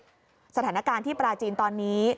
สถานการณ์ที่ปราจีนตอนนี้